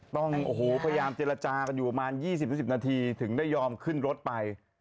ต้องใจละจาอยู่กว่า๒๐๒๕นาทีถึงได้ยอมขึ้นรถไป